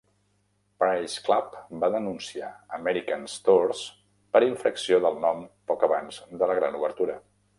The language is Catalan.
Price Club va denunciar American Stores per infracció del nom poc abans de la gran obertura.